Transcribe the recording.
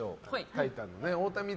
タイタンの。